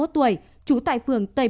ba mươi một tuổi trú tại phường tây